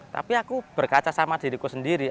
tapi aku berkaca sama diriku sendiri